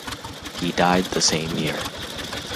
He died the same year.